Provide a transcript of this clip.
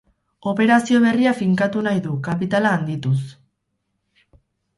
Operazio berria finkatu nahi du, kapitala handituz.